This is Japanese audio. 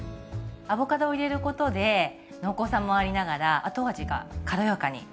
アボカドを入れることで濃厚さもありながら後味が軽やかになるんですね。